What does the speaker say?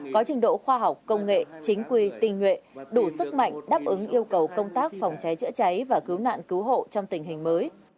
có trình độ khoa học công nghệ chính quy tình nhuệ đủ sức mạnh đáp ứng yêu cầu công tác phòng cháy chữa cháy và cứu nạn cứu hộ trong tình hình mới